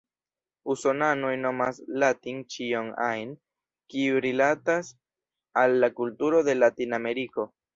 Usonanoj nomas "latin" ĉion ajn, kiu rilatas al la kulturo de Latin-Ameriko.